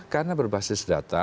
karena berbasis data